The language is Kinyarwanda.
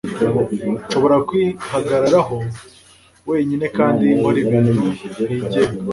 nshobora kwihagararaho wenyine kandi nkora ibintu ntigenga